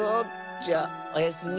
じゃおやすみ。